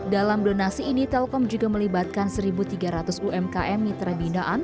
dalam donasi ini telkom juga melibatkan satu tiga ratus umkm mitra binaan